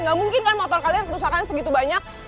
gak mungkin kan motor kalian kerusakan segitu banyak